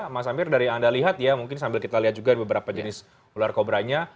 mas amir dari yang anda lihat ya mungkin sambil kita lihat juga beberapa jenis ular kobranya